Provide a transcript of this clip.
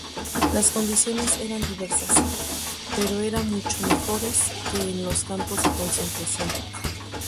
Las condiciones era diversas, pero eran mucho mejores que en los campos de concentración.